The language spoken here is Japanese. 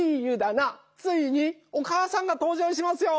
ついにお母さんがとうじょうしますよ！